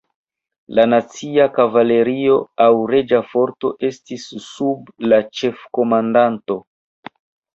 La "Nacia Kavalerio" aŭ "Reĝa Forto" estis sub la ĉefkomandanto.